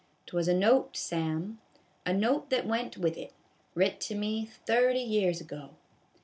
'T was a note, Sam, a note that went with it, writ to me thirty years ago."